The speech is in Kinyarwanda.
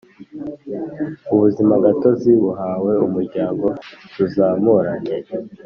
Ubuzima gatozi buhawe umuryango tuzamurane